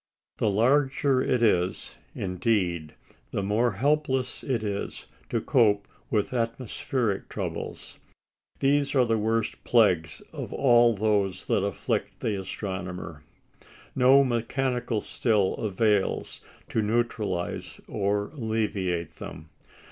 The larger it is, indeed, the more helpless is it to cope with atmospheric troubles. These are the worst plagues of all those that afflict the astronomer. No mechanical skill avails to neutralise or alleviate them.